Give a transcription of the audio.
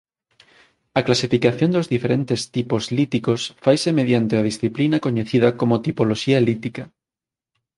A clasificación dos diferentes tipos líticos faise mediante a disciplina coñecida como tipoloxía lítica.